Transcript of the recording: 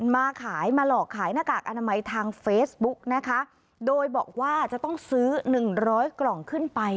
มาขายมาหลอกขายหน้ากากอนามัยทางเฟซบุ๊กนะคะโดยบอกว่าจะต้องซื้อหนึ่งร้อยกล่องขึ้นไป